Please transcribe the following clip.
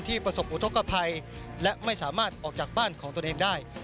ประสบอุทธกภัยและไม่สามารถออกจากบ้านของตนเองได้